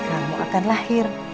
kamu akan lahir